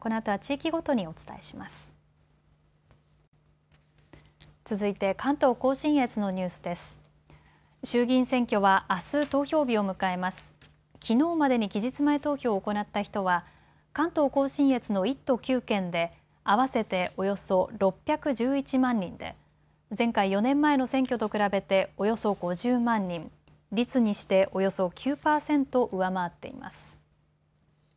きのうまでに期日前投票を行った人は関東甲信越の１都９県で合わせておよそ６１１万人で前回・４年前の選挙と比べておよそ５０万人、率にしておよそ９％上回っています。